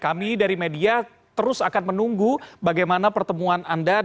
kami dari media terus akan menunggu bagaimana pertemuan anda dengan perwakilan anda